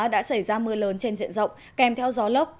đã xảy ra mưa lớn trên diện rộng kèm theo gió lốc